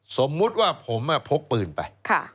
สมมุติว่าผมพกปืนไป